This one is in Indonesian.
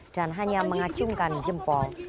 dan hanya mengacungkan jempol